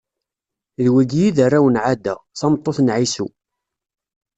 D wigi i d arraw n Ɛada, tameṭṭut n Ɛisu.